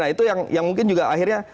nah itu yang mungkin juga akhirnya